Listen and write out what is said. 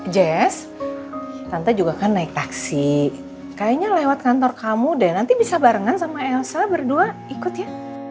jazz tante juga kan naik taksi kayaknya lewat kantor kamu deh nanti bisa barengan sama elsa berdua ikut ya